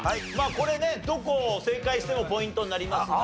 これねどこを正解してもポイントになりますが。